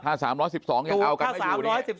ถ้า๓๑๒ยังเอากันไม่อยู่เนี่ย